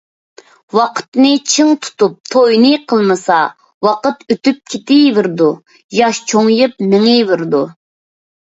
ۋاقىتنى چىڭ تۇتۇپ توينى قىلمىسا، ۋاقىت ئۆتۈپ كېتىۋېرىدۇ، ياش چوڭىيىپ مېڭىۋېرىدۇ.